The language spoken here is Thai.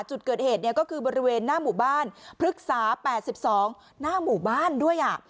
จุดเกิดเหตุก็คือบริเวณหน้าหมู่บ้านพฤกษา๘๒หน้าหมู่บ้านด้วย